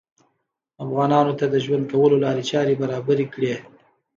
افغانانو ته د ژوند کولو لارې چارې برابرې کړې